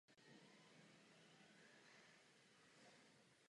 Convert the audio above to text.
Později se také objevil v talk show Conan.